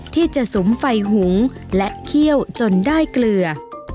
ที่จะสุมไฟหุงและเคี่ยวจนได้เกลือ